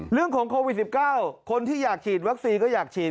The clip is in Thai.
เรื่องของโควิด๑๙คนที่อยากฉีดวัคซีนก็อยากฉีด